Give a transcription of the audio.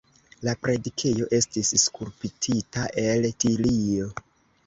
La predikejo estis skulptita el tilio.